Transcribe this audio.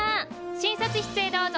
診察室へどうぞ。